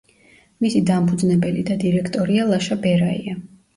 მისი დამფუძნებელი და დირექტორია ლაშა ბერაია.